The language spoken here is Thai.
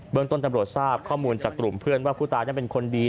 เมืองต้นตำรวจทราบข้อมูลจากกลุ่มเพื่อนว่าผู้ตายนั้นเป็นคนดี